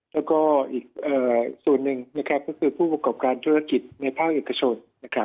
และก็อีกส่วนหนึ่งก็คือผู้บวกกราบการธุรกิจในภาคเอกชน